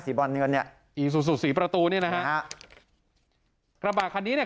สีบรรเหนือนเนี้ยอีซูสุสี่ประตูนี่นะฮะครับระบาดคันนี้เนี้ย